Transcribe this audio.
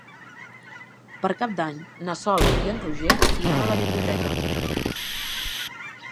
Per Cap d'Any na Sol i en Roger iran a la biblioteca.